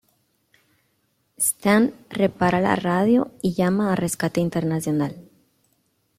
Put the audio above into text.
Stan repara la radio y llama a Rescate Internacional.